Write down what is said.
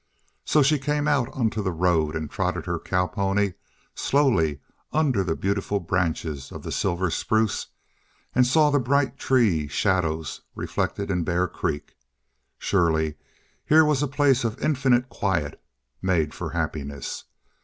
So she came out onto the road and trotted her cow pony slowly under the beautiful branches of the silver spruce, and saw the bright tree shadows reflected in Bear Creek. Surely here was a place of infinite quiet, made for happiness.